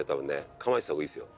構えてた方がいいですよ。